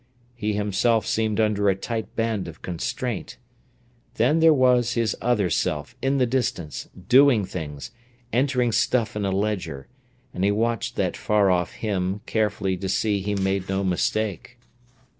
He himself seemed under a tight band of constraint. Then there was his other self, in the distance, doing things, entering stuff in a ledger, and he watched that far off him carefully to see he made no mistake.